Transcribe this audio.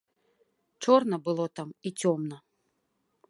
Чорна было там і цёмна.